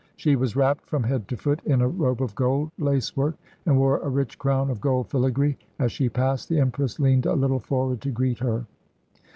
She was wrapped from head to foot in a robe of gold lacework, and wore a rich crown of gold filigree. As she passed, the Empress leaned a little forward to greet her.